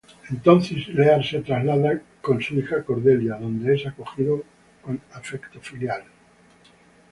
Entonces Lear se traslada con su hija Cordelia, donde es acogido con afecto filial.